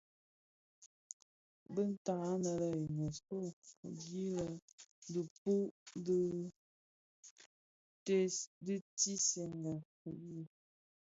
Bi tad anë lè Unesco dii di dhipud di tiisènga bi.